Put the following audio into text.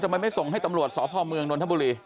ทำไมไม่ส่งให้ตำรวจสพเมืองนทบุรี